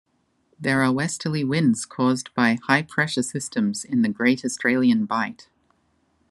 These are westerly winds caused by high pressure systems in the Great Australian Bight.